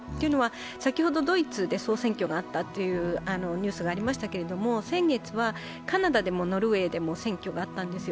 先ほどドイツで総選挙があったというニュースがありましたけど、先月はカナダでもノルウェーでも選挙があったんですよ。